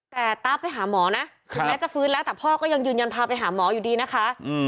แต่ตาไปหาหมอนะถึงแม้จะฟื้นแล้วแต่พ่อก็ยังยืนยันพาไปหาหมออยู่ดีนะคะ